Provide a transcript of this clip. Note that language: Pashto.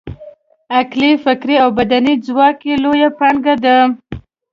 عقلي، فکري او بدني ځواک یې لویه پانګه ده.